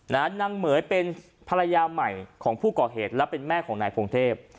นางเหม๋ยเป็นภรรยาใหม่ของผู้ก่อเหตุและเป็นแม่ของนายพงเทพ